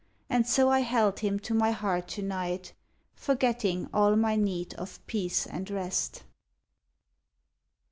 And so I held him to my heart to night, Forgetting all my need of peace and rest.